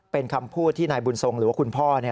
เป็นคำพูดที่นายบุญทรงหรือว่าคุณพ่อ